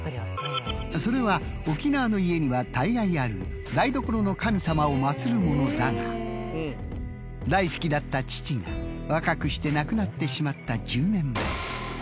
それは沖縄の家には大概ある台所の神さまを祭るものだが大好きだった父が若くして亡くなってしまった１０年前春香さんは精神的に落ち込み神も仏もないのかと